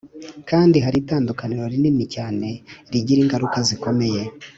kandi hari itandukaniro rinini cyane rigira ingaruka zikomeye